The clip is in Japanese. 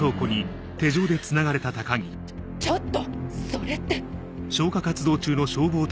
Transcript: ちょっとそれって。